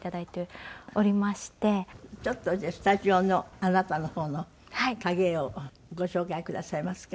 ちょっとじゃあスタジオのあなたの方の影絵をご紹介くださいますか？